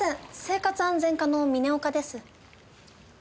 生活安全課の峯岡です。